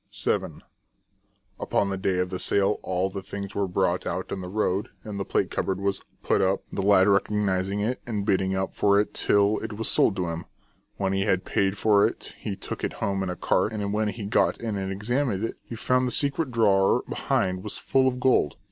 VII. Upon the day of the sale all the things were brought out in the road, and the plate cupboard The Fairies of Caragonan. 9 was put up, the lad recognising it and bidding up for it till it was sold to him. When he had paid for it he took it home in a cart, and when he got in and examined it, he found the secret drawer behind was full of gold.